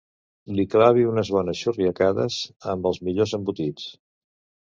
Li clavi unes bones xurriacades amb els millors embotits.